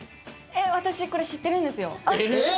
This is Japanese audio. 私これ知ってるんですよ。